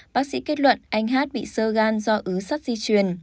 bác sĩ kết luận anh hát bị sơ gan do ứ sắt di truyền